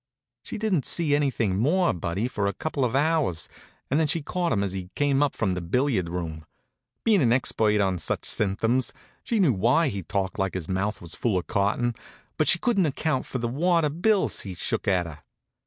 She didn't see anything more of Buddy for a couple of hours, and then she caught him as he came up from the billiard room. Bein' an expert on such symptoms, she knew why he talked like his mouth was full of cotton, but she couldn't account for the wad of bills he shook at her.